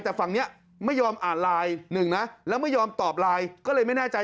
แต่ฝั่งนี้ไม่ยอมอ่านไลน์หนึ่งนะแล้วไม่ยอมตอบไลน์ก็เลยไม่แน่ใจ